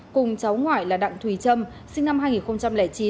cùng cháu ngoại là đặng thùy trâm sinh năm hai nghìn chín